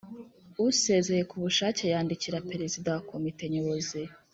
Usezeye ku bushake yandikira perezida wa komite nyobozi